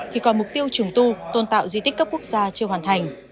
thì còn mục tiêu trùng tu tôn tạo di tích cấp quốc gia chưa hoàn thành